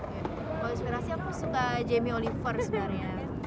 kalau inspirasi aku suka jamie oliver sebenarnya